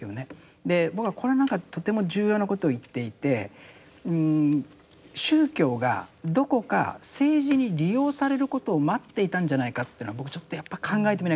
で僕はこれなんかとても重要なことを言っていて宗教がどこか政治に利用されることを待っていたんじゃないかっていうのは僕ちょっとやっぱ考えてみなきゃならない